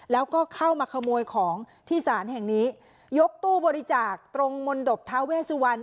แล้วก็เข้ามาขโมยของที่ศาลแห่งนี้ยกตู้บริจาคตรงมนตบท้าเวสวัน